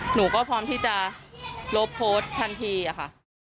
หนูก็พร้อมที่จะลบโพสต์ทันทีอะค่ะ